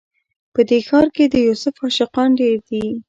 په دې ښار کي د یوسف عاشقان ډیر دي